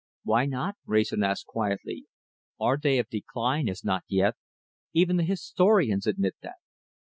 "Why not?" Wrayson asked quietly. "Our day of decline is not yet. Even the historians admit that."